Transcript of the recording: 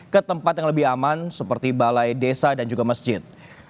ke tempat yang lebih aman seperti balai desa dan juga masjid